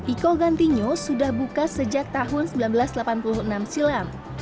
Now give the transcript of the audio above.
iko gantinyo sudah buka sejak tahun seribu sembilan ratus delapan puluh enam silam